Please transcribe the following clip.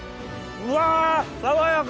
うわ！